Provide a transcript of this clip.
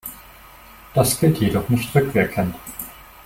Das gilt jedoch nicht rückwirkend.